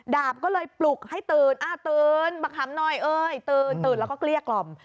ดาบก็เลยปลุกให้ตื่นตื่นบักหำหน่อยเอ้ยตื่นแล้วก็เกลี้ยกล่อม